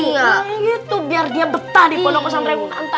ya gitu biar dia betah di ponok posantri yang unanta